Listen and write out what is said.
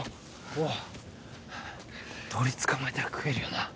おう鳥捕まえたら食えるよな